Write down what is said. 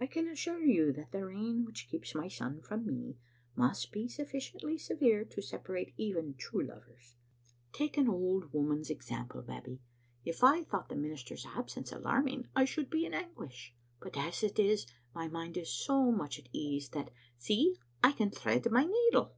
I can assure you that the rain which keeps my son from me must be suffidently severe to separate even true lovers. Take an old woman's ex Digitized by VjOOQ IC 844 (Cbe Kittte Ainfstet. ample, Babbie. If I thought the minister's absence alarming, I should be in anguish; but as it is, my mind is so much at ease that, see, I can thread my needle."